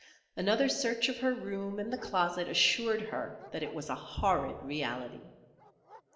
Another search of her room and the closet assured her that it was a horrid reality.